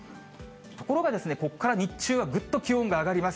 ところがここから日中は、ぐっと気温が上がります。